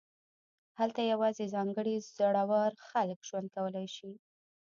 هلته یوازې ځانګړي زړور خلک ژوند کولی شي